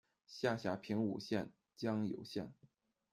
下辖平武县、江油县。